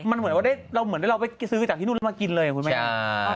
มันเหมือนว่าได้เราไปซื้อจากที่นู่นแล้วมากินเลยคุณหมายถึง